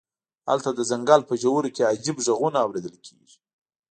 هلته د ځنګل په ژورو کې عجیب غږونه اوریدل کیږي